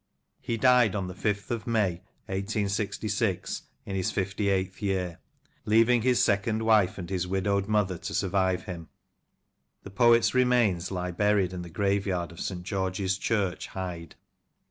He died on the 5th of May, 1866, in his 58th year, leaving his second wife and his widowed mother to survive him. The poet's remains lie buried in the graveyard of SL George's Church, Hyde.